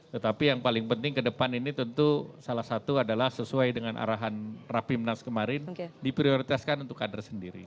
tetapi yang paling penting ke depan ini tentu salah satu adalah sesuai dengan arahan rapimnas kemarin diprioritaskan untuk kader sendiri